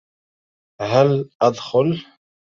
هل أدخل؟